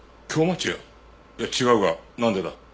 いや違うがなんでだ？